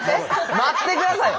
待ってくださいよ！